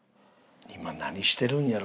今何してるんやろ？